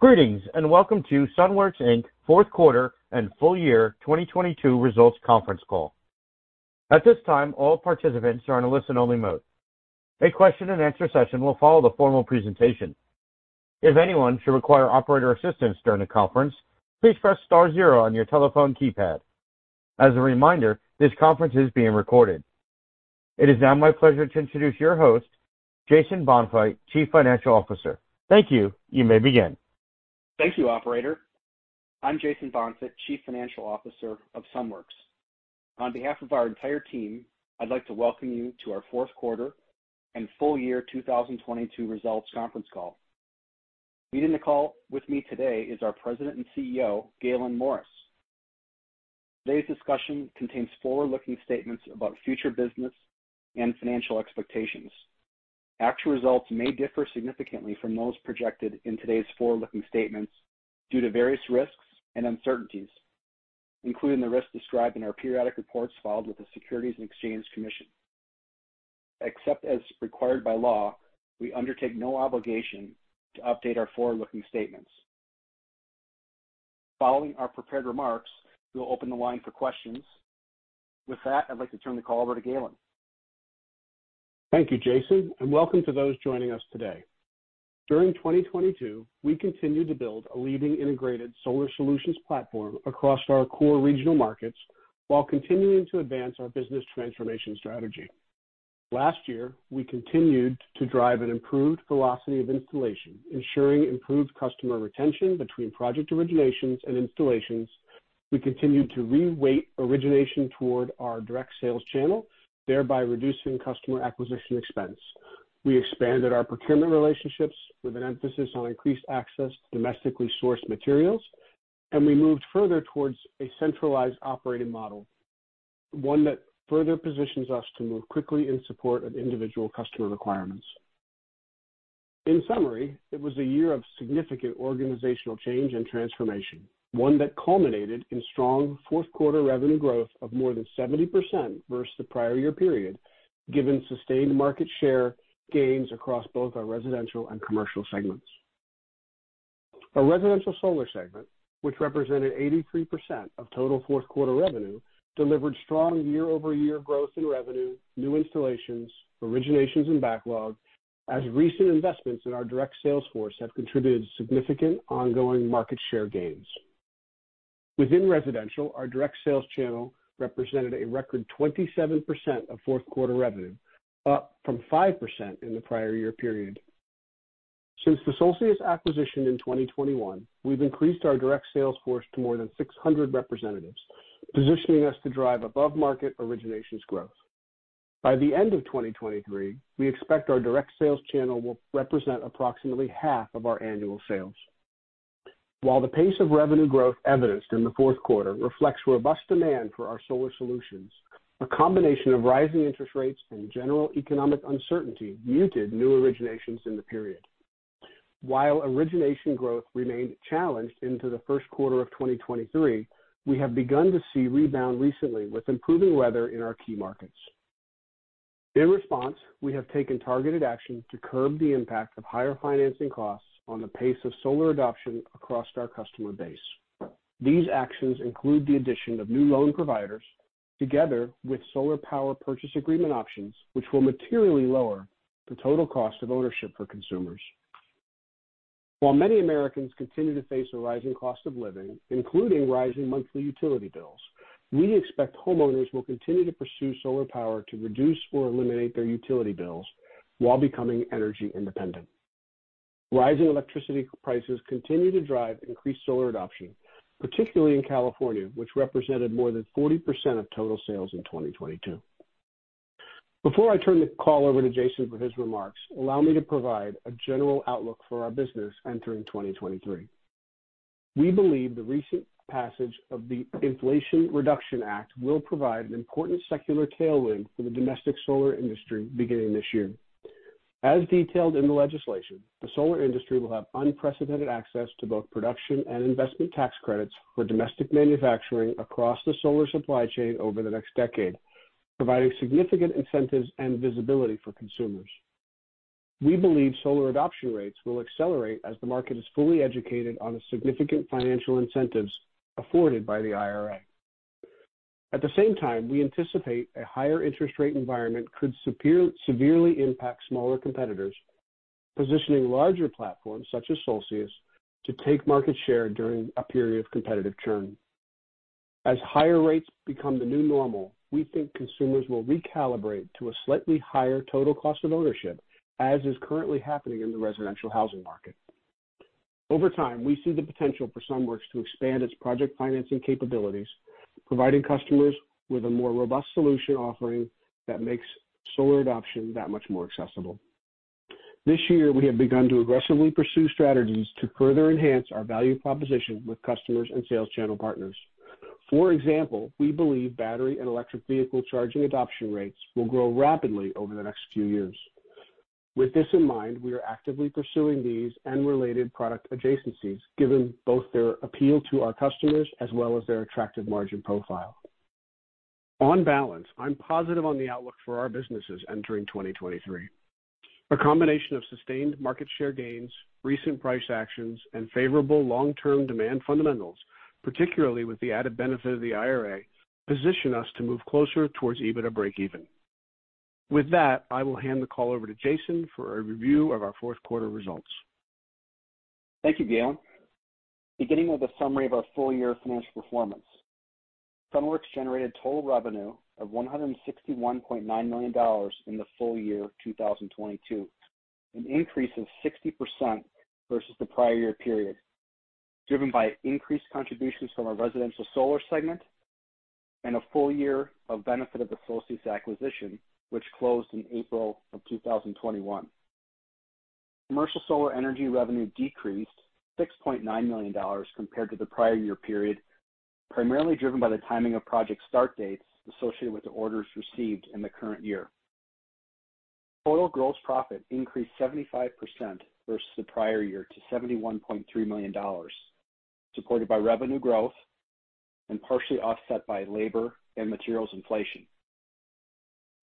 Greetings, welcome to Sunworks, Inc. Fourth Quarter and Full Year 2022 Results Conference Call. At this time, all participants are on a listen-only mode. A question-and-answer session will follow the formal presentation. If anyone should require operator assistance during the conference, please press star zero on your telephone keypad. As a reminder, this conference is being recorded. It is now my pleasure to introduce your host, Jason Bonfigt, Chief Financial Officer. Thank you. You may begin. Thank you, operator. I'm Jason Bonfigt, Chief Financial Officer of Sunworks. On behalf of our entire team, I'd like to welcome you to our Fourth Quarter and Full Year 2022 Results Conference Call. Leading the call with me today is our President and CEO, Gaylon Morris. Today's discussion contains forward-looking statements about future business and financial expectations. Actual results may differ significantly from those projected in today's forward-looking statements due to various risks and uncertainties, including the risks described in our periodic reports filed with the Securities and Exchange Commission. Except as required by law, we undertake no obligation to update our forward-looking statements. Following our prepared remarks, we'll open the line for questions. With that, I'd like to turn the call over to Gaylon. Thank you, Jason. Welcome to those joining us today. During 2022, we continued to build a leading integrated solar solutions platform across our core regional markets while continuing to advance our business transformation strategy. Last year, we continued to drive an improved velocity of installation, ensuring improved customer retention between project originations and installations. We continued to re-weight origination toward our direct sales channel, thereby reducing customer acquisition expense. We expanded our procurement relationships with an emphasis on increased access to domestically sourced materials. We moved further towards a centralized operating model, one that further positions us to move quickly in support of individual customer requirements. In summary, it was a year of significant organizational change and transformation, one that culminated in strong fourth quarter revenue growth of more than 70% versus the prior year period, given sustained market share gains across both our residential and commercial segments. Our residential solar segment, which represented 83% of total fourth quarter revenue, delivered strong year-over-year growth in revenue, new installations, originations, and backlog, as recent investments in our direct sales force have contributed to significant ongoing market share gains. Within residential, our direct sales channel represented a record 27% of fourth quarter revenue, up from 5% in the prior year period. Since the Solcius acquisition in 2021, we've increased our direct sales force to more than 600 representatives, positioning us to drive above-market originations growth. By the end of 2023, we expect our direct sales channel will represent approximately half of our annual sales. While the pace of revenue growth evidenced in the fourth quarter reflects robust demand for our solar solutions, a combination of rising interest rates and general economic uncertainty muted new originations in the period. While origination growth remained challenged into the first quarter of 2023, we have begun to see rebound recently with improving weather in our key markets. In response, we have taken targeted action to curb the impact of higher financing costs on the pace of solar adoption across our customer base. These actions include the addition of new loan providers together with solar power purchase agreement options, which will materially lower the total cost of ownership for consumers. While many Americans continue to face a rising cost of living, including rising monthly utility bills, we expect homeowners will continue to pursue solar power to reduce or eliminate their utility bills while becoming energy independent. Rising electricity prices continue to drive increased solar adoption, particularly in California, which represented more than 40% of total sales in 2022. Before I turn the call over to Jason for his remarks, allow me to provide a general outlook for our business entering 2023. We believe the recent passage of the Inflation Reduction Act will provide an important secular tailwind for the domestic solar industry beginning this year. As detailed in the legislation, the solar industry will have unprecedented access to both production and investment tax credits for domestic manufacturing across the solar supply chain over the next decade, providing significant incentives and visibility for consumers. We believe solar adoption rates will accelerate as the market is fully educated on the significant financial incentives afforded by the IRA. At the same time, we anticipate a higher interest rate environment could severely impact smaller competitors, positioning larger platforms such as Solcius to take market share during a period of competitive churn. As higher rates become the new normal, we think consumers will recalibrate to a slightly higher total cost of ownership, as is currently happening in the residential housing market. Over time, we see the potential for Sunworks to expand its project financing capabilities, providing customers with a more robust solution offering that makes solar adoption that much more accessible. This year, we have begun to aggressively pursue strategies to further enhance our value proposition with customers and sales channel partners. For example, we believe battery and electric vehicle charging adoption rates will grow rapidly over the next few years. With this in mind, we are actively pursuing these and related product adjacencies, given both their appeal to our customers as well as their attractive margin profile. On balance, I'm positive on the outlook for our businesses entering 2023. A combination of sustained market share gains, recent price actions, and favorable long-term demand fundamentals, particularly with the added benefit of the IRA, position us to move closer towards EBITDA breakeven. With that, I will hand the call over to Jason for a review of our fourth quarter results. Thank you, Gaylon. Beginning with a summary of our full-year financial performance. Sunworks generated total revenue of $161.9 million in the full year 2022, an increase of 60% versus the prior year period, driven by increased contributions from our residential solar segment and a full year of benefit of the Solcius acquisition, which closed in April 2021. Commercial Solar energy revenue decreased $6.9 million compared to the prior year period, primarily driven by the timing of project start dates associated with the orders received in the current year. Total gross profit increased 75% versus the prior year to $71.3 million, supported by revenue growth and partially offset by labor and materials inflation.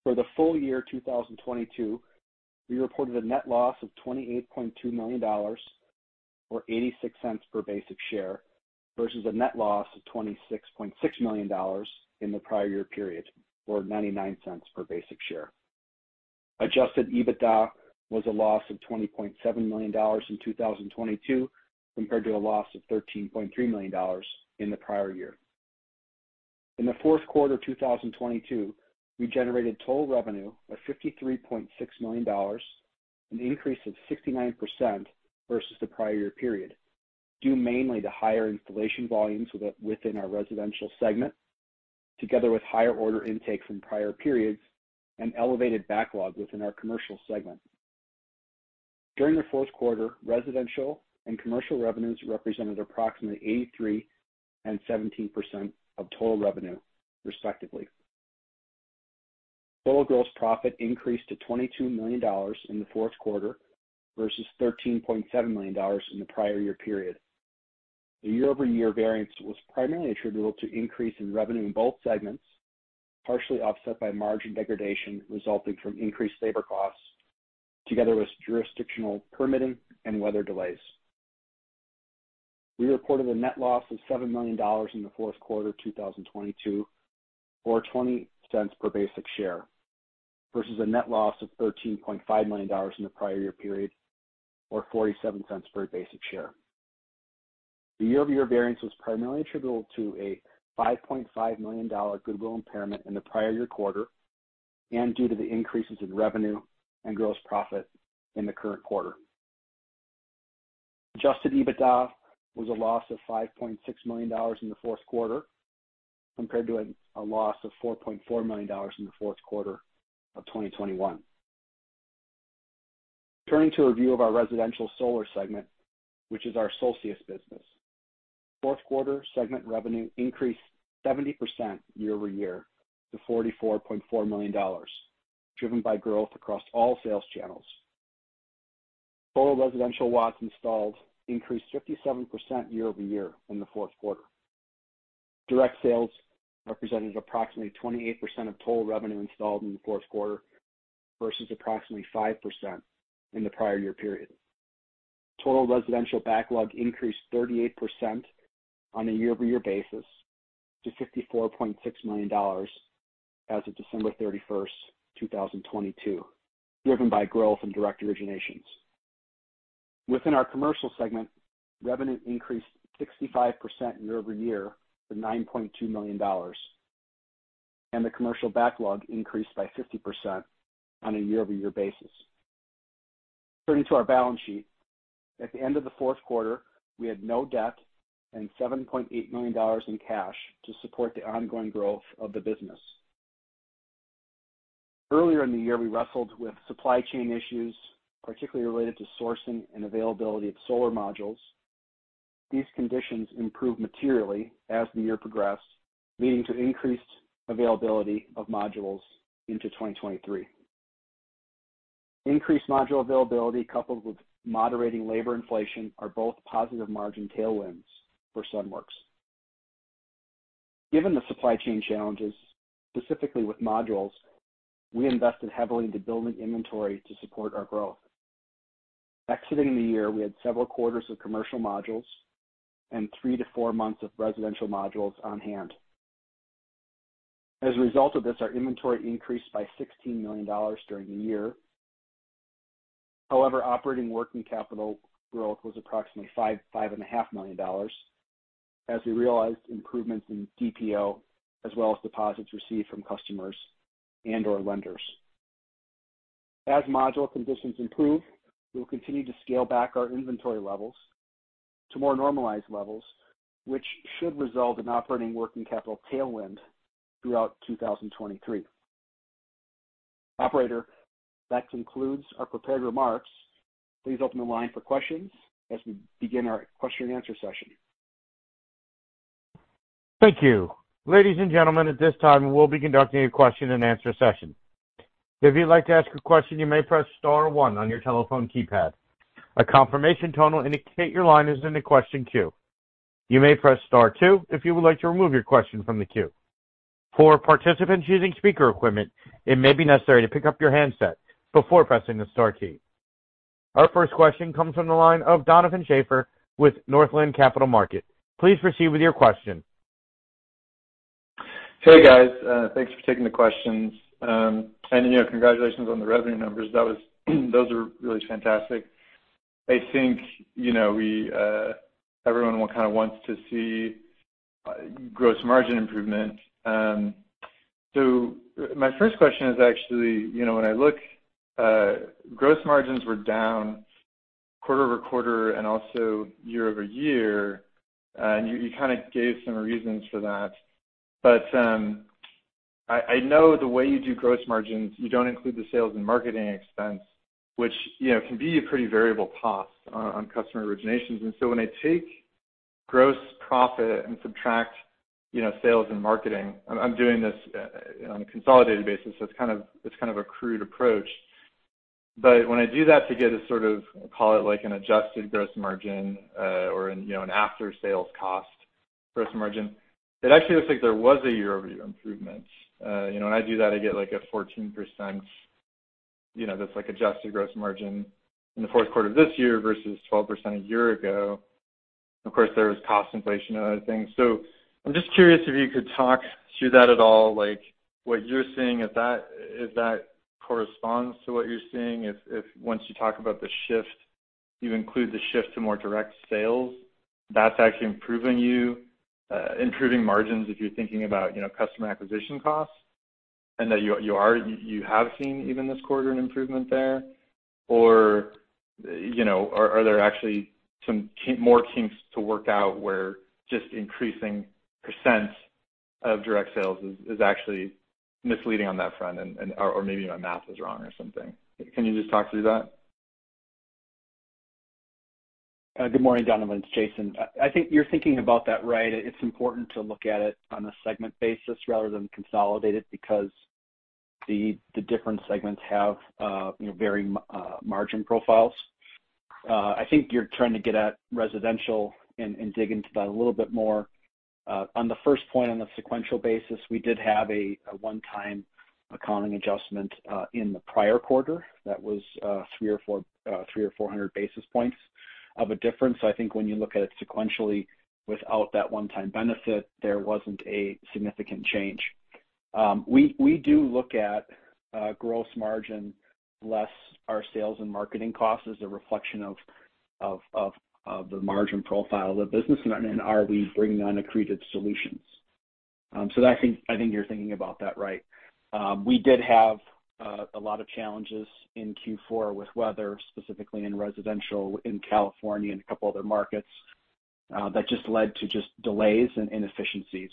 For the full year 2022, we reported a net loss of $28.2 million, or $0.86 per basic share, versus a net loss of $26.6 million in the prior year period, or $0.99 per basic share. Adjusted EBITDA was a loss of $20.7 million in 2022, compared to a loss of $13.3 million in the prior year. In the fourth quarter 2022, we generated total revenue of $53.6 million, an increase of 69% versus the prior year period, due mainly to higher installation volumes within our residential segment, together with higher order intakes from prior periods and elevated backlog within our commercial segment. During the fourth quarter, residential and commercial revenues represented approximately 83% and 17% of total revenue, respectively. Total gross profit increased to $22 million in the fourth quarter versus $13.7 million in the prior year period. The year-over-year variance was primarily attributable to increase in revenue in both segments, partially offset by margin degradation resulting from increased labor costs, together with jurisdictional permitting and weather delays. We reported a net loss of $7 million in the fourth quarter 2022, or $0.20 per basic share, versus a net loss of $13.5 million in the prior year period, or $0.47 per basic share. The year-over-year variance was primarily attributable to a $5.5 million goodwill impairment in the prior year quarter and due to the increases in revenue and gross profit in the current quarter. Adjusted EBITDA was a loss of $5.6 million in the fourth quarter compared to a loss of $4.4 million in the fourth quarter of 2021. Turning to a review of our residential solar segment, which is our Solcius business. Fourth quarter segment revenue increased 70% year-over-year to $44.4 million, driven by growth across all sales channels. Total residential watts installed increased 57% year-over-year in the fourth quarter. Direct sales represented approximately 28% of total revenue installed in the fourth quarter versus approximately 5% in the prior year period. Total residential backlog increased 38% on a year-over-year basis to $64.6 million as of December 31st, 2022, driven by growth in direct originations. Within our commercial segment, revenue increased 65% year-over-year to $9.2 million, and the commercial backlog increased by 50% on a year-over-year basis. Turning to our balance sheet. At the end of the fourth quarter, we had no debt and $7.8 million in cash to support the ongoing growth of the business. Earlier in the year, we wrestled with supply chain issues, particularly related to sourcing and availability of solar modules. These conditions improved materially as the year progressed, leading to increased availability of modules into 2023. Increased module availability coupled with moderating labor inflation are both positive margin tailwinds for Sunworks. Given the supply chain challenges, specifically with modules, we invested heavily into building inventory to support our growth. Exiting the year, we had several quarters of commercial modules and three to four months of residential modules on hand. As a result of this, our inventory increased by $16 million during the year. Operating working capital growth was approximately $5 million-$5.5 million as we realized improvements in DPO as well as deposits received from customers and/or lenders. As module conditions improve, we'll continue to scale back our inventory levels to more normalized levels, which should result in operating working capital tailwind throughout 2023. Operator, that concludes our prepared remarks. Please open the line for questions as we begin our question and answer session. Thank you. Ladies and gentlemen, at this time, we'll be conducting a question and answer session. If you'd like to ask a question, you may press star one on your telephone keypad. A confirmation tone will indicate your line is in the question queue. You may press star two if you would like to remove your question from the queue. For participants using speaker equipment, it may be necessary to pick up your handset before pressing the star key. Our first question comes from the line of Donovan Schafer with Northland Capital Markets. Please proceed with your question. Hey, guys. Thanks for taking the questions. You know, congratulations on the revenue numbers. Those are really fantastic. I think, you know, we, everyone kind of wants to see gross margin improvement. My first question is actually, you know, when I look, gross margins were down quarter-over-quarter and also year-over-year. You, you kinda gave some reasons for that. I know the way you do gross margins, you don't include the sales and marketing expense, which, you know, can be a pretty variable cost on customer originations. When I take gross profit and subtract, you know, sales and marketing, I'm doing this on a consolidated basis, so it's kind of a crude approach. When I do that to get a sort of, call it like an adjusted gross margin, or, you know, an after-sales cost gross margin, it actually looks like there was a year-over-year improvement. You know, when I do that, I get, like, a 14%, you know, that's like adjusted gross margin in the fourth quarter of this year versus 12% a year ago. Of course, there was cost inflation and other things. I'm just curious if you could talk through that at all, like what you're seeing if that, if that corresponds to what you're seeing, if once you talk about the shift, you include the shift to more direct sales, that's actually improving you, improving margins if you're thinking about, you know, customer acquisition costs, and that you have seen even this quarter an improvement there? You know, are there actually some more kinks to work out where just increasing percents of direct sales is actually misleading on that front or maybe my math is wrong or something. Can you just talk through that? Good morning, Donovan. It's Jason. I think you're thinking about that right. It's important to look at it on a segment basis rather than consolidated because the different segments have, you know, varying margin profiles. I think you're trying to get at residential and dig into that a little bit more. On the first point, on the sequential basis, we did have a one-time accounting adjustment in the prior quarter. That was 300 or 400 basis points of a difference. I think when you look at it sequentially without that one-time benefit, there wasn't a significant change. We do look at gross margin less our sales and marketing costs as a reflection of the margin profile of the business and are we bringing on accreted solutions. I think you're thinking about that right. We did have a lot of challenges in Q4 with weather, specifically in residential in California and a couple other markets that just led to just delays and inefficiencies.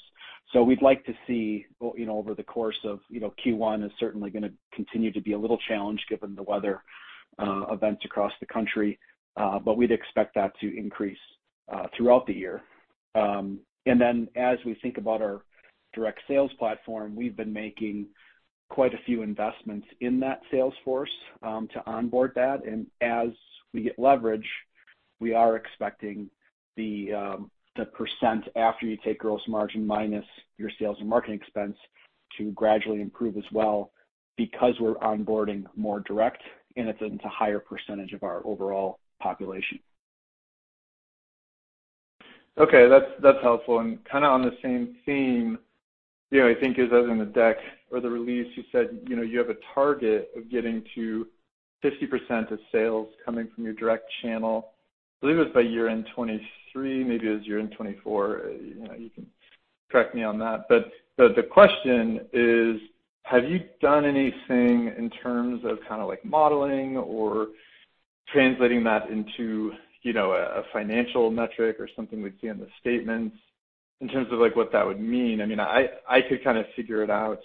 We'd like to see, you know, over the course of, you know, Q1 is certainly gonna continue to be a little challenged given the weather events across the country, but we'd expect that to increase throughout the year. As we think about our direct sales platform, we've been making quite a few investments in that sales force to onboard that. As we get leverage, we are expecting the percent after you take gross margin minus your sales and marketing expense to gradually improve as well because we're onboarding more direct, and it's into higher percentage of our overall population. Okay. That's helpful. Kinda on the same theme, you know, I think as in the deck or the release, you said, you know, you have a target of getting to 50% of sales coming from your direct channel. I believe it was by year-end 2023, maybe it was year-end 2024. You know, you can correct me on that. The question is, have you done anything in terms of kinda like modeling or translating that into, you know, a financial metric or something we'd see in the statements in terms of, like, what that would mean? I mean, I could kinda figure it out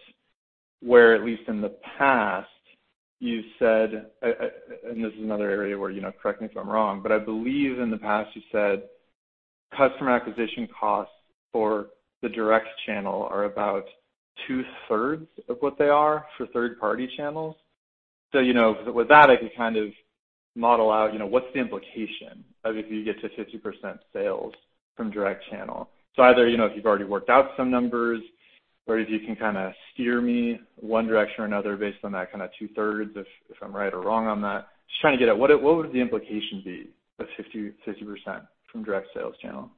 where at least in the past you said, and this is another area where, you know, correct me if I'm wrong, but I believe in the past you said customer acquisition costs for the direct channel are about 2/3 of what they are for third-party channels. You know, with that I could kind of model out, you know, what's the implication of if you get to 50% sales from direct channel. Either, you know, if you've already worked out some numbers or if you can kinda steer me one direction or another based on that kinda 2/3 if I'm right or wrong on that. Just trying to get at what would the implication be of 50% from direct sales channel?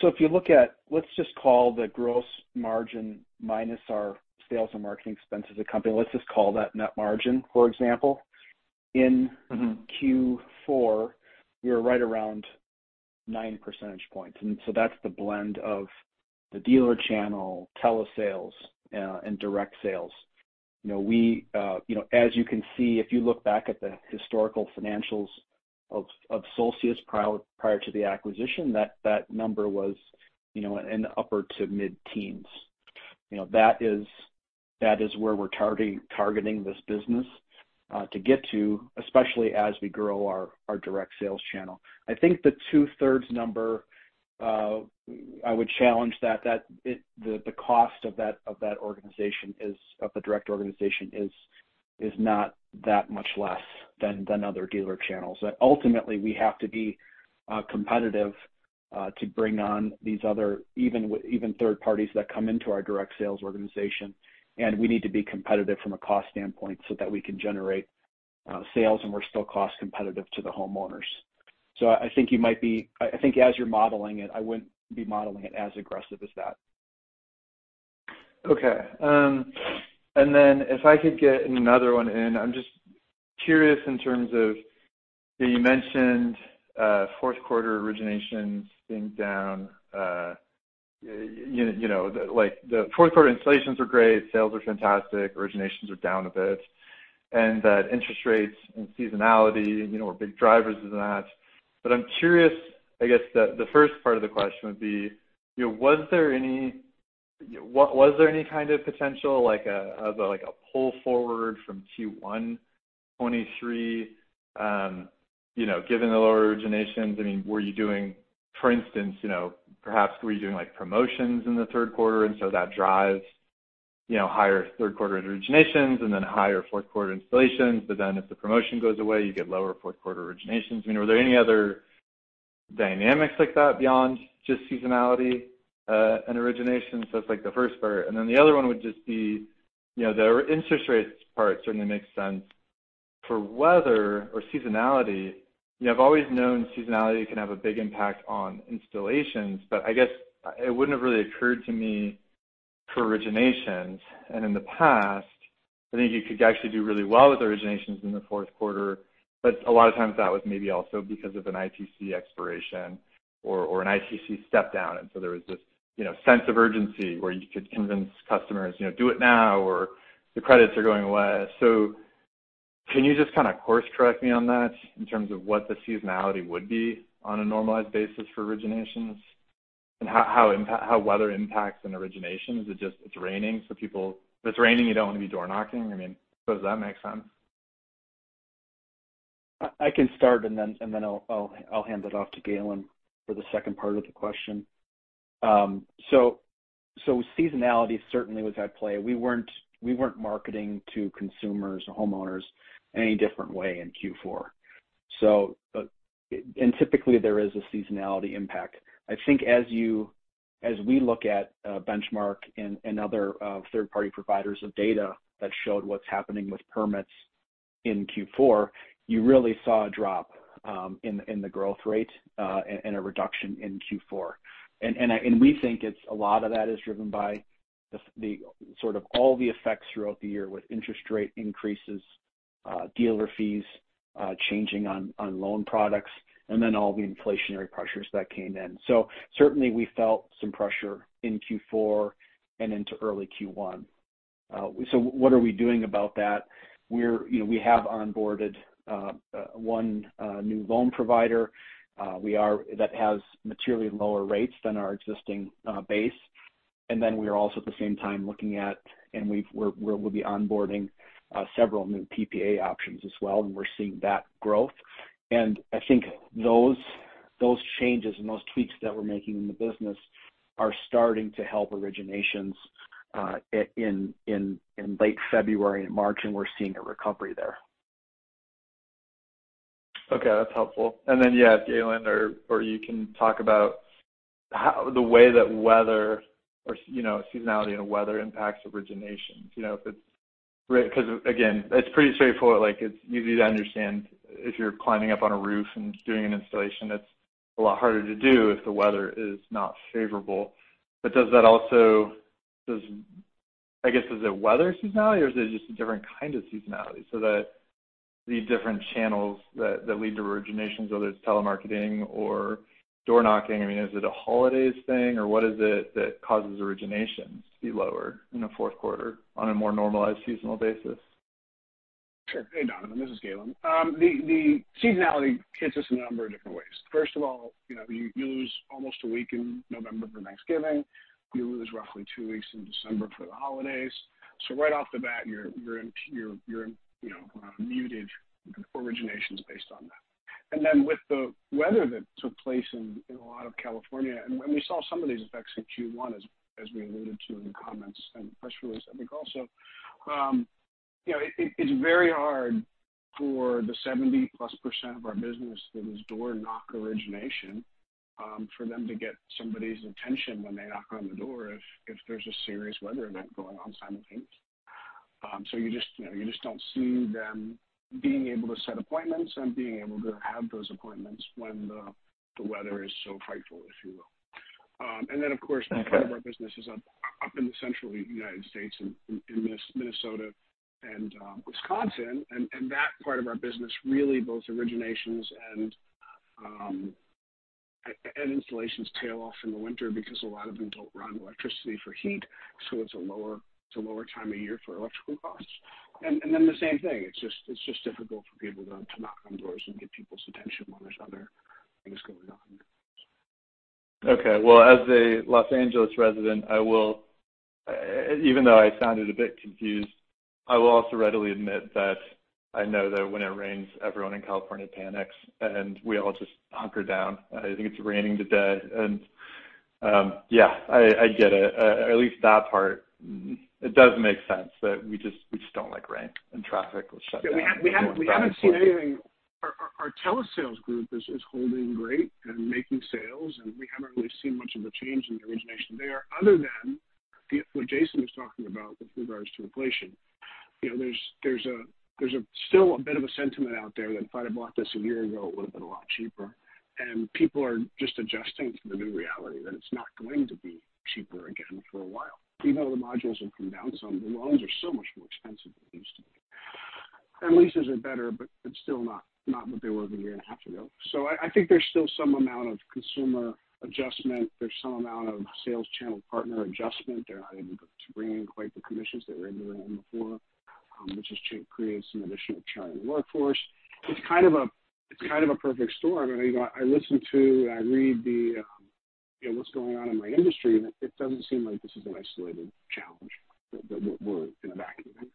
If you look at, let's just call the gross margin minus our sales and marketing expense as a company, let's just call that net margin, for example. Mm-hmm. Q4, we were right around 9 percentage points. That's the blend of the dealer channel, telesales, and direct sales. You know, we, you know, as you can see, if you look back at the historical financials of Solcius prior to the acquisition, that number was, you know, in the upper to mid-teens. You know, that is, that is where we're targeting this business to get to, especially as we grow our direct sales channel. I think the 2 number, I would challenge that the cost of that, of that organization of the direct organization is not that much less than other dealer channels. Ultimately, we have to be competitive to bring on these other even third parties that come into our direct sales organization. We need to be competitive from a cost standpoint so that we can generate sales and we're still cost competitive to the homeowners. I think as you're modeling it, I wouldn't be modeling it as aggressive as that. Okay. If I could get another one in. I'm just curious in terms of, you mentioned, fourth quarter originations being down, you know, like the fourth quarter installations are great, sales are fantastic, originations are down a bit. Interest rates and seasonality, you know, are big drivers in that. I'm curious, I guess, the first part of the question would be, you know, was there any kind of potential like a pull forward from Q1 2023, you know, given the lower originations? I mean, were you doing, for instance, you know, perhaps were you doing like promotions in the third quarter and so that drives, you know, higher third quarter originations and then higher fourth quarter installations, but then if the promotion goes away, you get lower fourth quarter originations? I mean, were there any other dynamics like that beyond just seasonality and originations? That's like the first part. The other one would just be, you know, the interest rates part certainly makes sense. For weather or seasonality, you know, I've always known seasonality can have a big impact on installations, but I guess it wouldn't have really occurred to me for originations. In the past, I think you could actually do really well with originations in the fourth quarter, but a lot of times that was maybe also because of an ITC expiration or an ITC step down. There was this, you know, sense of urgency where you could convince customers, you know, do it now or the credits are going away. Can you just kinda course correct me on that in terms of what the seasonality would be on a normalized basis for originations? How weather impacts an origination? Is it just it's raining, so if it's raining, you don't wanna be door-knocking? I mean, does that make sense? I can start and then I'll hand it off to Gaylon for the second part of the question. Seasonality certainly was at play. We weren't marketing to consumers or homeowners any different way in Q4. Typically there is a seasonality impact. I think as we look at Benchmark and other third-party providers of data that showed what's happening with permits in Q4, you really saw a drop in the growth rate and a reduction in Q4. And we think it's a lot of that is driven by the sort of all the effects throughout the year with interest rate increases, dealer fees, changing on loan products, and then all the inflationary pressures that came in. Certainly we felt some pressure in Q4 and into early Q1. What are we doing about that? We're, you know, we have onboarded one new loan provider that has materially lower rates than our existing base. We are also at the same time looking at and we'll be onboarding several new PPA options as well, and we're seeing that growth. I think those changes and those tweaks that we're making in the business are starting to help originations in late February and March, and we're seeing a recovery there. Okay. That's helpful. Yeah, Gaylon, or you can talk about the way that weather or, you know, seasonality and weather impacts originations. Right, 'cause again, it's pretty straightforward, like it's easy to understand if you're climbing up on a roof and doing an installation, it's a lot harder to do if the weather is not favorable. Does, I guess, is it weather seasonality or is it just a different kind of seasonality so that the different channels that lead to originations, whether it's telemarketing or door-knocking, I mean, is it a holidays thing or what is it that causes originations to be lower in the fourth quarter on a more normalized seasonal basis? Sure. Hey, Donovan, this is Gaylon. The seasonality hits us in a number of different ways. First of all, you know, you lose almost a week in November for Thanksgiving. You lose roughly two weeks in December for the holidays. Right off the bat, you're muted originations based on that. With the weather that took place in a lot of California, and when we saw some of these effects in Q1 as we alluded to in the comments and the press release, I think also, you know, it's very hard for the 70%+ of our business that is door-knock origination, for them to get somebody's attention when they knock on the door if there's a serious weather event going on simultaneously. You just, you know, you just don't see them being able to set appointments and being able to have those appointments when the weather is so frightful, if you will. Of course, part of our business is up in the Central United States, in Minnesota and Wisconsin. That part of our business really both originations and installations tail off in the winter because a lot of them don't run electricity for heat, so it's a lower time of year for electrical costs. The same thing, it's just difficult for people to knock on doors and get people's attention when there's other things going on. Okay. Well, as a Los Angeles resident, I will, even though I sounded a bit confused, I will also readily admit that I know that when it rains, everyone in California panics, and we all just hunker down. I think it's raining today. Yeah, I get it. At least that part, it does make sense that we just don't like rain and traffic will shut down. Yeah. We haven't seen anything. Our telesales group is holding great and making sales. We haven't really seen much of a change in the origination there other than what Jason was talking about with regards to inflation. You know, there's still a bit of a sentiment out there that if I'd have bought this a year ago, it would have been a lot cheaper. People are just adjusting to the new reality that it's not going to be cheaper again for a while. Even though the modules have come down some, the loans are so much more expensive than they used to be. Leases are better, but it's still not what they were a year and a half ago. I think there's still some amount of consumer adjustment. There's some amount of sales channel partner adjustment. They're not able to bring in quite the commissions they were able to bring in before, which has created some additional churn in the workforce. It's kind of a perfect storm. I mean, you know, I listen to, I read the, you know, what's going on in my industry. It doesn't seem like this is an isolated challenge that we're in a vacuum in.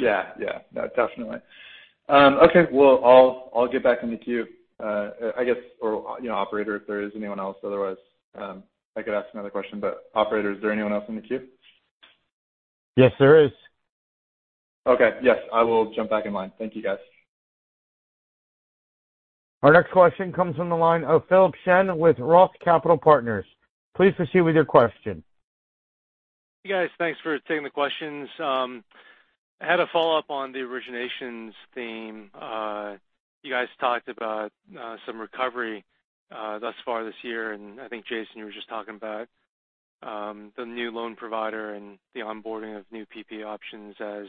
Yeah. Yeah. No, definitely. Okay, well, I'll get back in the queue. I guess, or, you know, Operator, if there is anyone else, otherwise, I could ask another question, but Operator, is there anyone else in the queue? Yes, there is. Okay. Yes. I will jump back in line. Thank you guys. Our next question comes from the line of Philip Shen with Roth Capital Partners. Please proceed with your question. You guys, thanks for taking the questions. I had a follow-up on the originations theme. You guys talked about some recovery thus far this year. I think, Jason, you were just talking about the new loan provider and the onboarding of new PP options as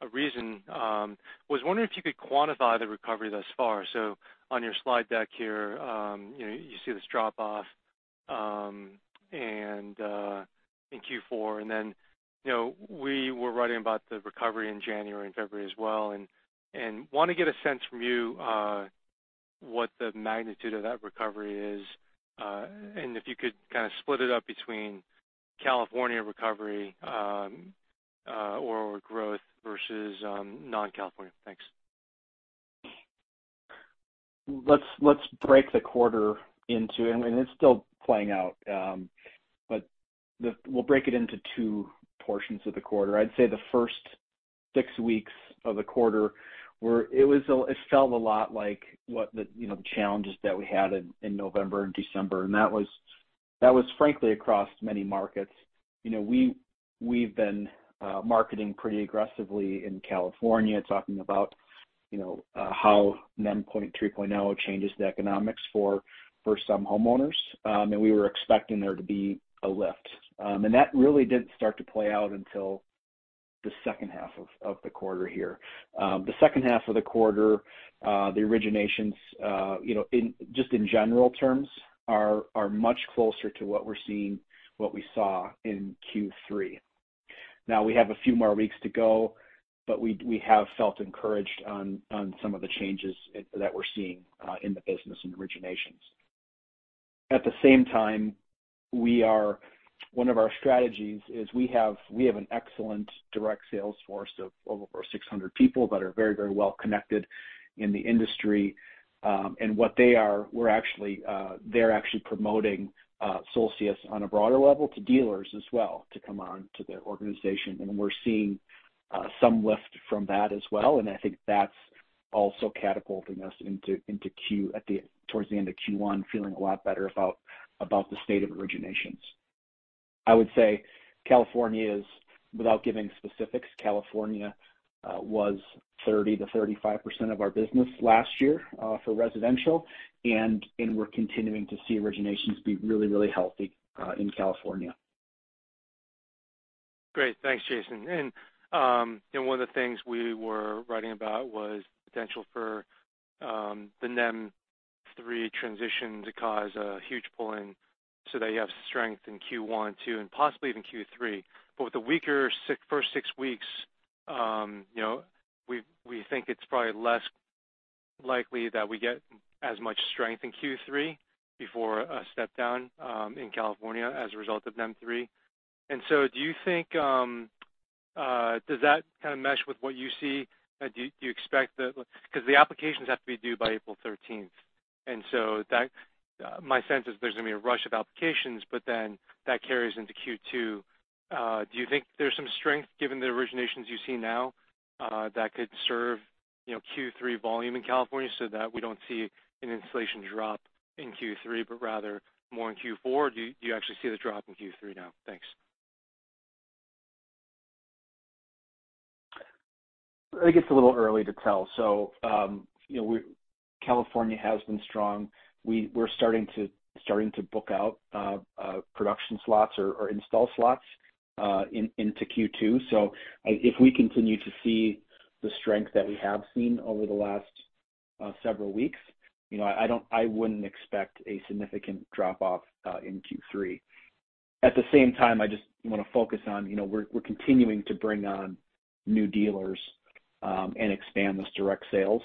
a reason. Was wondering if you could quantify the recovery thus far. On your slide deck here, you know, you see this drop-off in Q4. You know, we were writing about the recovery in January and February as well, and wanna get a sense from you what the magnitude of that recovery is, and if you could kinda split it up between California recovery or growth versus non-California. Thanks. Let's break the quarter into. I mean, it's still playing out, we'll break it into two portions of the quarter. I'd say the first six weeks of the quarter it felt a lot like what the, you know, challenges that we had in November and December. That was frankly across many markets. You know, we've been marketing pretty aggressively in California, talking about, you know, how NEM 3.0 changes the economics for some homeowners. We were expecting there to be a lift. That really didn't start to play out until the second half of the quarter here. The second half of the quarter, the originations, you know, just in general terms are much closer to what we're seeing, what we saw in Q3. Now, we have a few more weeks to go, but we have felt encouraged on some of the changes that we're seeing in the business in originations. At the same time, one of our strategies is we have an excellent direct sales force of over 600 people that are very, very well connected in the industry. What they are, we're actually, they're actually promoting Solcius on a broader level to dealers as well to come on to their organization. We're seeing some lift from that as well. I think that's also catapulting us into Q towards the end of Q1, feeling a lot better about the state of originations. I would say California is, without giving specifics, California, was 30%-35% of our business last year, for residential, and we're continuing to see originations be really healthy in California. Great. Thanks, Jason. One of the things we were writing about was potential for the NEM 3.0 transition to cause a huge pull-in so that you have strength in Q1, Q2, and possibly even Q3. With the weaker first six weeks, you know, we think it's probably less likely that we get as much strength in Q3 before a step down in California as a result of NEM 3.0. Do you think, does that kinda mesh with what you see? Do you expect that? 'Cause the applications have to be due by April 13th. My sense is there's gonna be a rush of applications, but then that carries into Q2. Do you think there's some strength given the originations you see now that could serve, you know, Q3 volume in California so that we don't see an inflation drop in Q3, but rather more in Q4? Do you actually see the drop in Q3 now? Thanks. I think it's a little early to tell. You know, California has been strong. We're starting to book out production slots or install slots into Q2. If we continue to see the strength that we have seen over the last several weeks, you know, I wouldn't expect a significant drop-off in Q3. At the same time, I just wanna focus on, you know, we're continuing to bring on new dealers and expand this direct sales.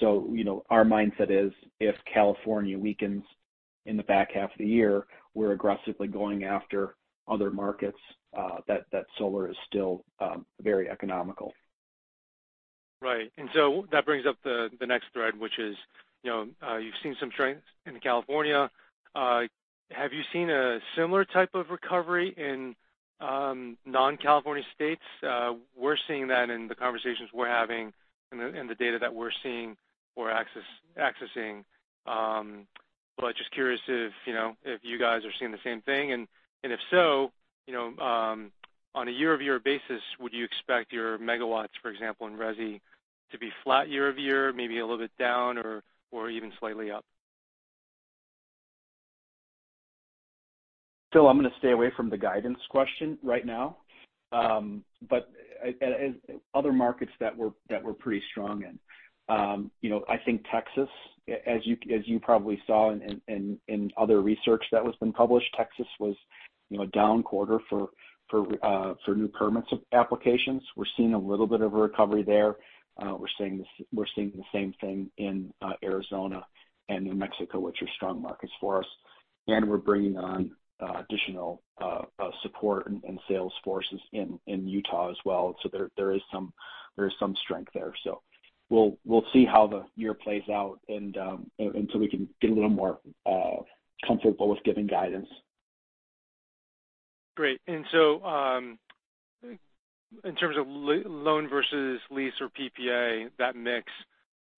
You know, our mindset is if California weakens in the back half of the year, we're aggressively going after other markets that solar is still very economical. Right. That brings up the next thread, which is, you know, you've seen some strengths in California. Have you seen a similar type of recovery in non-California states? We're seeing that in the conversations we're having and the data that we're seeing or accessing. Just curious if, you know, if you guys are seeing the same thing. If so, you know, on a year-over-year basis, would you expect your megawatts, for example, in resi to be flat year-over-year, maybe a little bit down or even slightly up? Phil, I'm gonna stay away from the guidance question right now. Other markets that we're pretty strong in, you know, I think Texas, as you probably saw in other research that was been published, Texas was, you know, a down quarter for new permits applications. We're seeing a little bit of a recovery there. We're seeing the same thing in Arizona and New Mexico, which are strong markets for us. We're bringing on additional support and sales forces in Utah as well. There is some strength there. We'll see how the year plays out and until we can get a little more comfortable with giving guidance. Great. In terms of loan versus lease or PPA, that mix,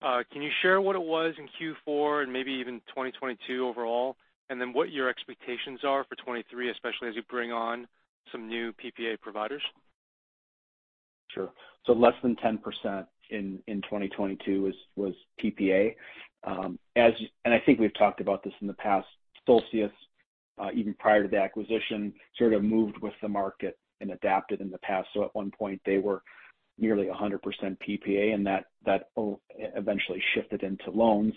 can you share what it was in Q4 and maybe even 2022 overall, and then what your expectations are for 2023, especially as you bring on some new PPA providers? Sure. Less than 10% in 2022 was PPA. I think we've talked about this in the past, Solcius, even prior to the acquisition, sort of moved with the market and adapted in the past. At one point, they were nearly 100% PPA, and that eventually shifted into loans.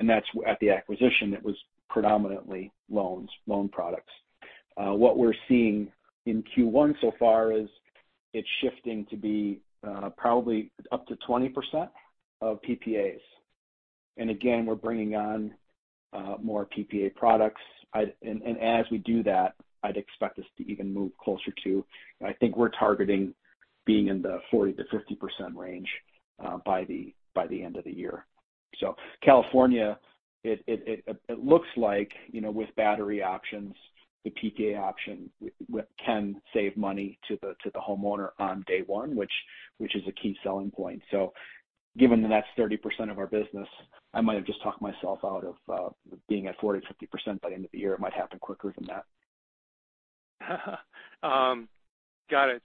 That's at the acquisition, it was predominantly loans, loan products. What we're seeing in Q1 so far is it's shifting to be probably up to 20% of PPAs. Again, we're bringing on more PPA products. As we do that, I'd expect this to even move closer to... I think we're targeting being in the 40%-50% range by the end of the year. California, it looks like, you know, with battery options, the PPA option can save money to the homeowner on day one, which is a key selling point. Given that that's 30% of our business, I might have just talked myself out of being at 40%-50% by the end of the year. It might happen quicker than that. Got it.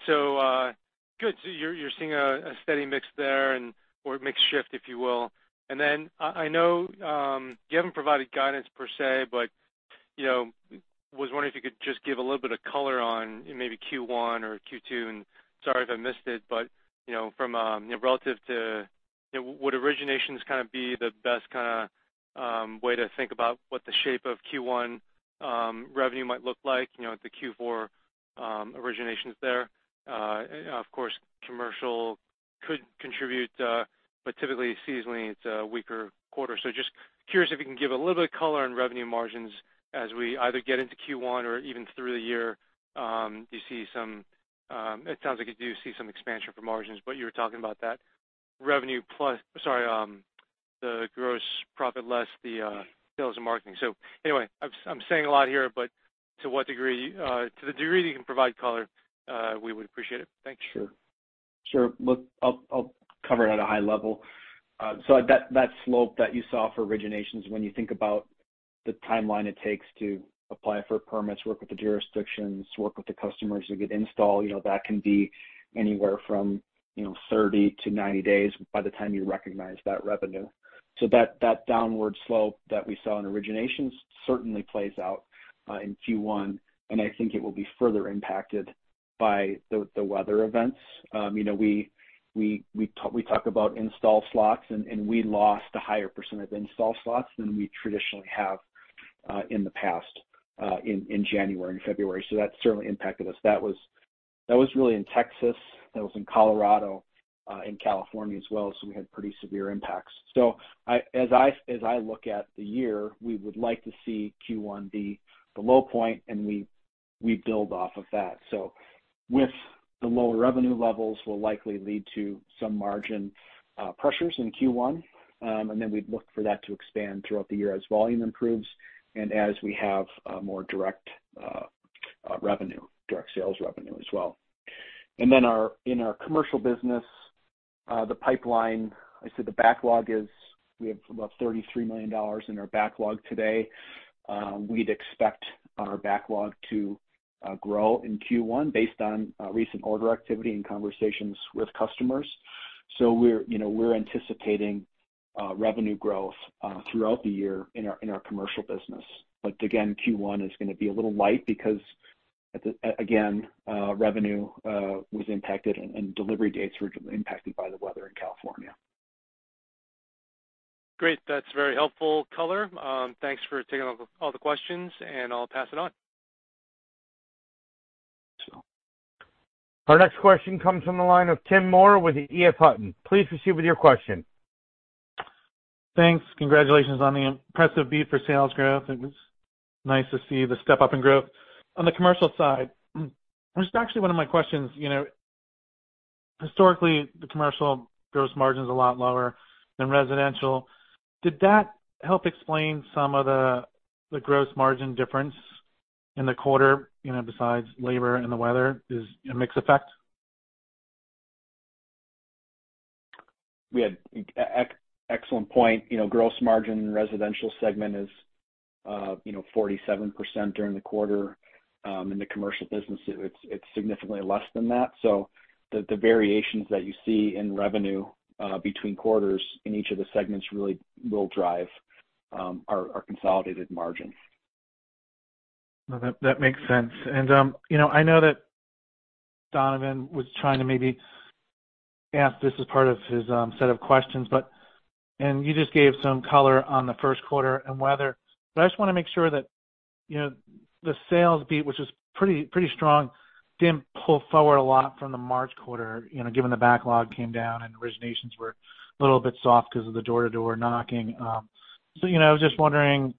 Good. you're seeing a steady mix there or a mix shift, if you will. I know, you haven't provided guidance per se, but, you know, was wondering if you could just give a little bit of color on maybe Q1 or Q2. Sorry if I missed it, but, you know, from, you know, relative to, you know, would originations kinda be the best way to think about what the shape of Q1 revenue might look like, you know, with the Q4 originations there? Of course, commercial could contribute, but typically seasonally it's a weaker quarter. Just curious if you can give a little bit of color on revenue margins as we either get into Q1 or even through the year. Do you see some... It sounds like you do see some expansion for margins, but you were talking about that revenue plus, sorry, the gross profit less the, sales and marketing. Anyway, I'm saying a lot here, but to what degree, to the degree that you can provide color, we would appreciate it. Thank you. Sure. Sure. Look, I'll cover it at a high level. That, that slope that you saw for originations, when you think about the timeline it takes to apply for permits, work with the jurisdictions, work with the customers to get installed, you know, that can be anywhere from, you know, 30-90 days by the time you recognize that revenue. That, that downward slope that we saw in originations certainly plays out in Q1, and I think it will be further impacted by the weather events. You know, we talk about install slots, and we lost a higher percent of install slots than we traditionally have in the past in January and February. That certainly impacted us. That was really in Texas, that was in Colorado, in California as well. We had pretty severe impacts. As I look at the year, we would like to see Q1 be the low point, and we build off of that. With the lower revenue levels will likely lead to some margin pressures in Q1. We'd look for that to expand throughout the year as volume improves and as we have more direct revenue, direct sales revenue as well. In our commercial business, the pipeline, I'd say the backlog is we have about $33 million in our backlog today. We'd expect our backlog to grow in Q1 based on recent order activity and conversations with customers. We're, you know, we're anticipating revenue growth throughout the year in our, in our commercial business. again, Q1 is gonna be a little light because, again, revenue was impacted and delivery dates were impacted by the weather in California. Great. That's very helpful color. Thanks for taking all the questions. I'll pass it on. Sure. Our next question comes from the line of Tim Moore with EF Hutton. Please proceed with your question. Thanks. Congratulations on the impressive beat for sales growth. It was nice to see the step up in growth. On the commercial side, which is actually one of my questions, you know, historically the commercial gross margin is a lot lower than residential. Did that help explain some of the gross margin difference in the quarter, you know, besides labor and the weather is a mix effect? We had excellent point. You know, gross margin residential segment is, you know, 47% during the quarter. In the commercial business it's significantly less than that. The, the variations that you see in revenue, between quarters in each of the segments really will drive our consolidated margin. No, that makes sense. you know, I know that Donovan was trying to maybe ask this as part of his set of questions. You just gave some color on the first quarter and weather, but I just wanna make sure that, you know, the sales beat, which was pretty strong, didn't pull forward a lot from the March quarter, you know, given the backlog came down and originations were a little bit soft because of the door-to-door knocking. you know, just wondering,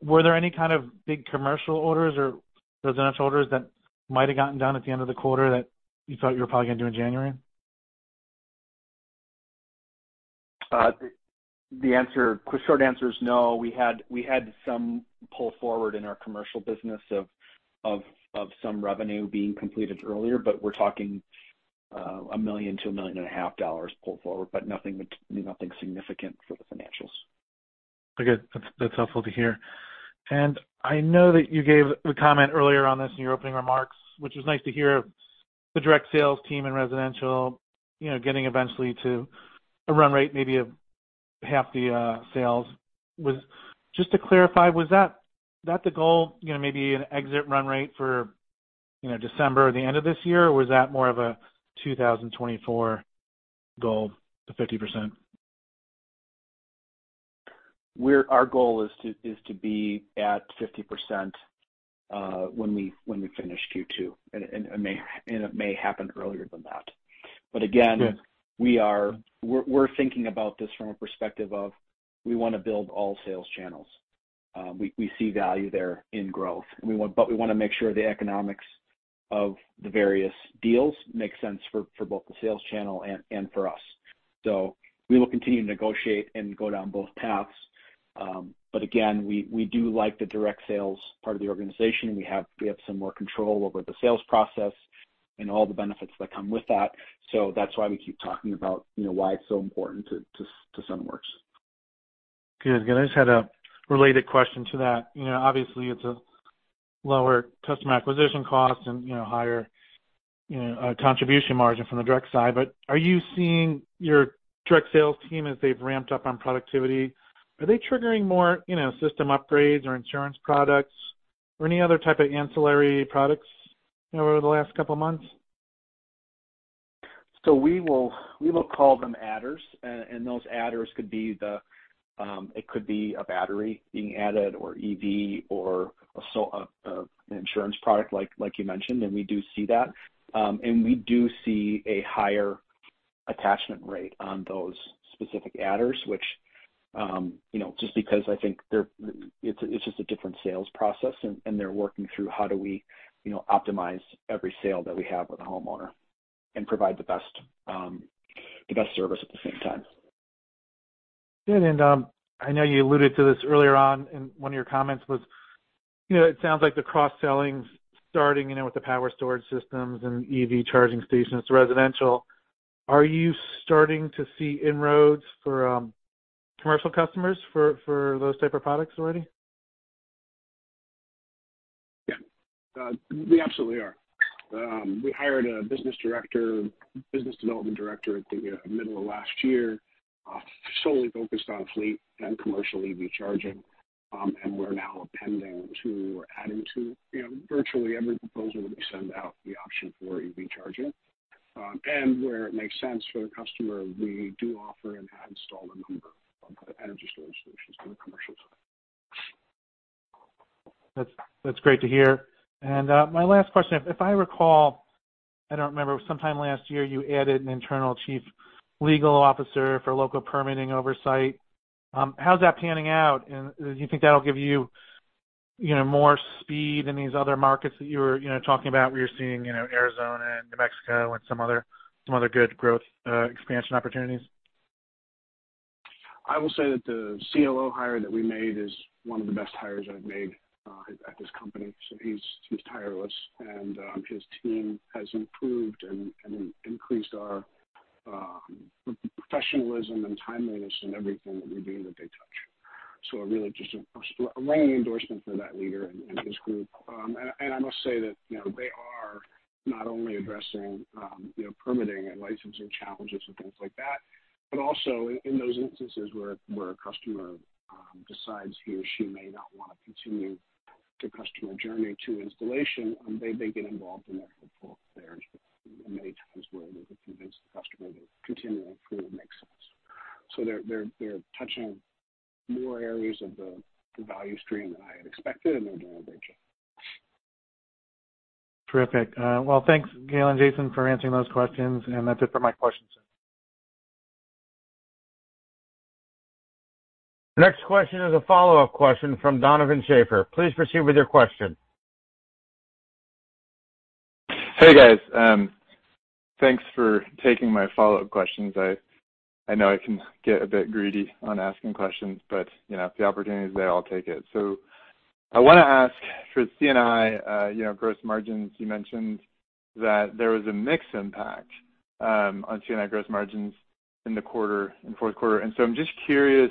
were there any kind of big commercial orders or residential orders that might have gotten done at the end of the quarter that you thought you were probably gonna do in January? The short answer is no. We had some pull forward in our commercial business of some revenue being completed earlier, we're talking $1 million-$1.5 million pull forward, but nothing significant for the financials. Okay. That's helpful to hear. I know that you gave the comment earlier on this in your opening remarks, which was nice to hear the direct sales team and residential, you know, getting eventually to a run rate maybe of half the sales. Just to clarify, was that the goal, you know, maybe an exit run rate for, you know, December or the end of this year? Or was that more of a 2024 goal, the 50%? Our goal is to be at 50% when we finish Q2, and it may happen earlier than that. again... Good... we're thinking about this from a perspective of we wanna build all sales channels. We see value there in growth. We wanna make sure the economics of the various deals make sense for both the sales channel and for us. We will continue to negotiate and go down both paths. Again, we do like the direct sales part of the organization. We have some more control over the sales process and all the benefits that come with that. That's why we keep talking about, you know, why it's so important to Sunworks. Good. Again, I just had a related question to that. You know, obviously it's a lower customer acquisition cost and, you know, higher, you know, contribution margin from the direct side. Are you seeing your direct sales team as they've ramped up on productivity, are they triggering more, you know, system upgrades or insurance products or any other type of ancillary products over the last couple of months? We will call them adders. Those adders could be the. It could be a battery being added or EV or an insurance product like you mentioned, and we do see that. We do see a higher attachment rate on those specific adders, which, you know, just because I think it's just a different sales process and they're working through how do we, you know, optimize every sale that we have with a homeowner and provide the best service at the same time. Good. I know you alluded to this earlier on in one of your comments was, you know, it sounds like the cross-selling starting, you know, with the power storage systems and EV charging stations, residential. Are you starting to see inroads for commercial customers for those type of products already? Yeah. We absolutely are. We hired a business director, business development director at the middle of last year, solely focused on fleet and commercial EV charging. We're now appending to or adding to, you know, virtually every proposal that we send out the option for EV charging. Where it makes sense for the customer, we do offer and install a number of energy storage solutions for the commercial side. That's great to hear. My last question, if I recall, I don't remember, sometime last year you added an internal chief legal officer for local permitting oversight. How's that panning out? Do you think that'll give you know, more speed in these other markets that you were, you know, talking about where you're seeing, you know, Arizona and New Mexico and some other good growth expansion opportunities? I will say that the CLO hire that we made is one of the best hires I've made at this company. He's tireless and his team has improved and increased our professionalism and timeliness in everything that we do that they touch. Really just a running endorsement for that leader and his group. And I must say that, you know, they are not only addressing, you know, permitting and licensing challenges and things like that, but also in those instances where a customer decides he or she may not wanna continue the customer journey to installation, they get involved and they're helpful. There's many times where they've convinced the customer to continue and approve it makes sense. They're touching more areas of the value stream than I had expected, and they're doing a great job. Terrific. Well, thanks Gaylon, Jason for answering those questions. That's it for my questions. Next question is a follow-up question from Donovan Schafer. Please proceed with your question. Hey, guys. Thanks for taking my follow-up questions. I know I can get a bit greedy on asking questions, but, you know, if the opportunity is there, I'll take it. I wanna ask for C&I, you know, gross margins. You mentioned that there was a mix impact on C&I gross margins in the quarter, in fourth quarter. I'm just curious,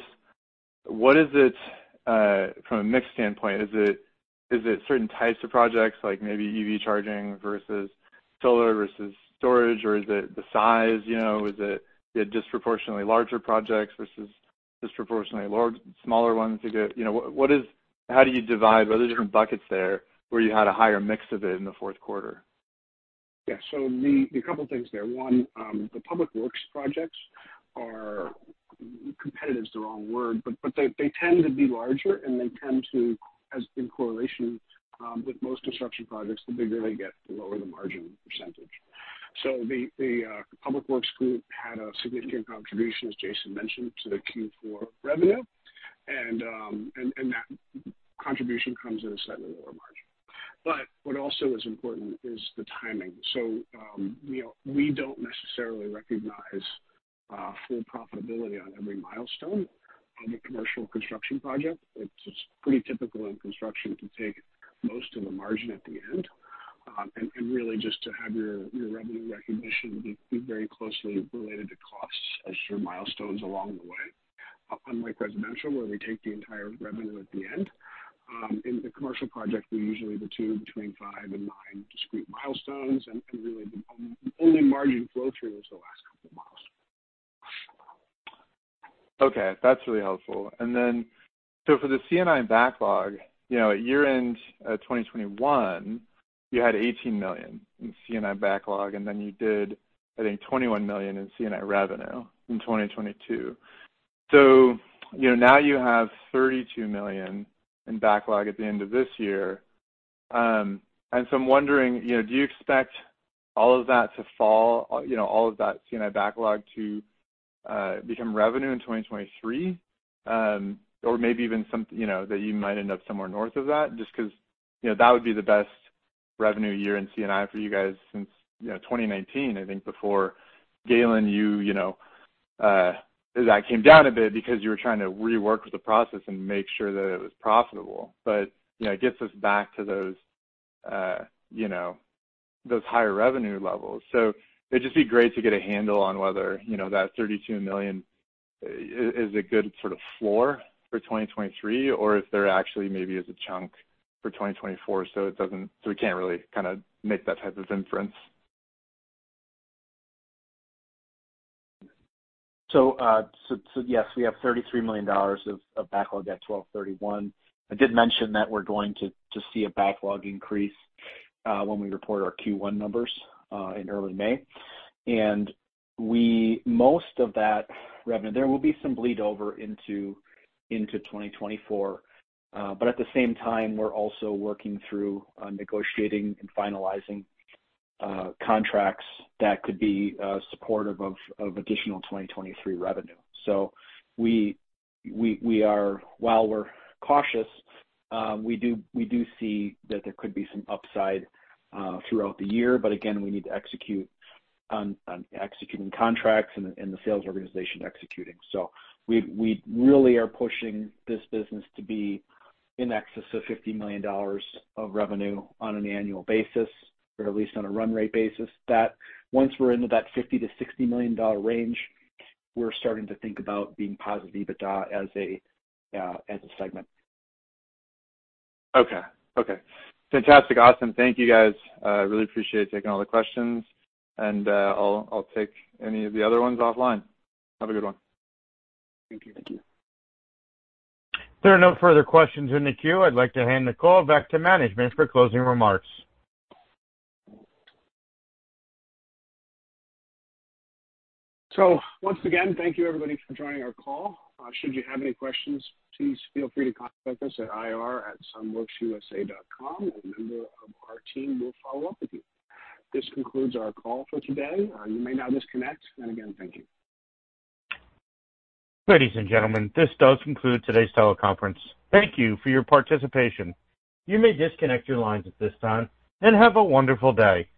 what is it from a mix standpoint? Is it certain types of projects, like maybe EV charging versus solar versus storage? Or is it the size, you know? Is it, yeah, disproportionately larger projects versus disproportionately smaller ones to get... You know, what are the different buckets there where you had a higher mix of it in the fourth quarter? Yeah. The couple things there. One, the public works projects are, competitive is the wrong word, but they tend to be larger, and they tend to as in correlation, with most construction projects, the bigger they get, the lower the margin percentage. The public works group had a significant contribution, as Jason mentioned, to the Q4 revenue and that contribution comes at a slightly lower margin. What also is important is the timing. You know, we don't necessarily recognize full profitability on every milestone on the commercial construction project. It's pretty typical in construction to take most of the margin at the end, and really just to have your revenue recognition be very closely related to costs as your milestones along the way. Unlike residential, where we take the entire revenue at the end, in the commercial project, we usually between five and nine discrete milestones and really the only margin flow through is the last couple of miles. Okay, that's really helpful. Then so for the C&I backlog, you know, at year-end, 2021, you had $18 million in C&I backlog, and then you did I think $21 million in C&I revenue in 2022. You know, now you have $32 million in backlog at the end of this year. I'm wondering, you know, do you expect all of that to fall, you know, all of that C&I backlog to become revenue in 2023? Or maybe even some, you know, that you might end up somewhere north of that just 'cause, you know, that would be the best revenue year in C&I for you guys since, you know, 2019, I think before Gaylon, you know, that came down a bit because you were trying to rework the process and make sure that it was profitable. You know, it gets us back to those, you know, those higher revenue levels. It'd just be great to get a handle on whether, you know, that $32 million is a good sort of floor for 2023 or if there actually maybe is a chunk for 2024, so we can't really kinda make that type of inference. Yes, we have $33 million of backlog at 12/31. I did mention that we're going to see a backlog increase when we report our Q1 numbers in early May. There will be some bleed over into 2024. At the same time, we're also working through negotiating and finalizing contracts that could be supportive of additional 2023 revenue. We are while we're cautious, we do see that there could be some upside throughout the year, but again we need to execute on executing contracts and the sales organization executing. We really are pushing this business to be in excess of $50 million of revenue on an annual basis or at least on a run rate basis. That once we're into that $50 million-$60 million range, we're starting to think about being positive EBITDA as a segment. Okay. Okay. Fantastic. Awesome. Thank you, guys. really appreciate taking all the questions. I'll take any of the other ones offline. Have a good one. Thank you. Thank you. There are no further questions in the queue. I'd like to hand the call back to management for closing remarks. Once again, thank you everybody for joining our call. Should you have any questions, please feel free to contact us at ir@sunworksusa.com, and a member of our team will follow up with you. This concludes our call for today. You may now disconnect. Again, thank you. Ladies and gentlemen, this does conclude today's teleconference. Thank you for your participation. You may disconnect your lines at this time, and have a wonderful day.